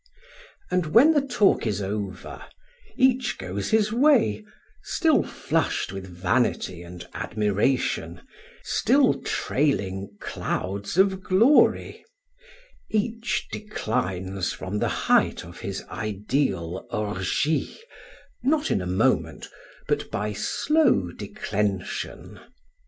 And when the talk is over, each goes his way, still flushed with vanity and admiration, still trailing clouds of glory; each declines from the height of his ideal orgie, not in a moment, but by slow declension.